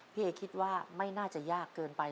พี่เอคิดว่าไม่น่าจะยากเกินไป